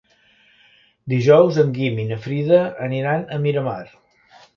Dijous en Guim i na Frida aniran a Miramar.